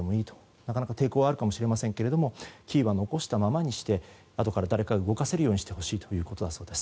なかなか抵抗はあるかもしれませんがキーは残したままにしてあとから誰かが動かせるようにしてほしいということです。